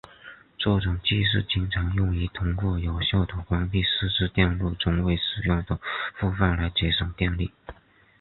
这种技术经常用于通过有效地关闭数字电路中未使用的部分来节省电力。